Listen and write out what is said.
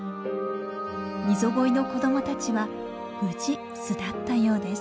ミゾゴイの子供たちは無事巣立ったようです。